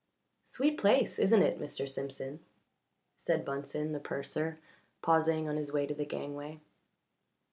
"Sweet place, isn't it, Mr. Simpson?" said Bunsen, the purser, pausing on his way to the gangway.